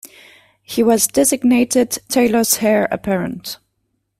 He was designated Taylor's heir-apparent.